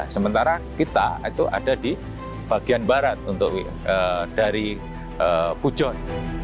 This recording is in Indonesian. sementara kita itu ada di bagian barat dari pujon